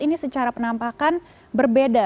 ini secara penampakan berbeda